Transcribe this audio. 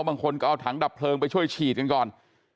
บางคนก็เอาถังดับเพลิงไปช่วยฉีดกันก่อน